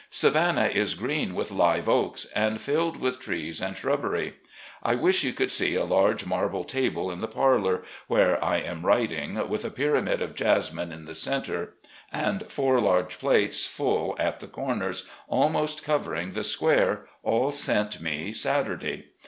Savannah is green with live oaks — ^and filled with trees and shrubbery. I wish you could see a large marble table in the parlour, where I am writing, with a pyramid of jasmine in the centre and fotu' large plates full at the comers, almost covering the square, all sent me Saturday.